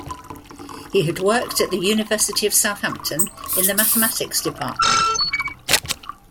He had worked at the University of Southampton in the Mathematics Department.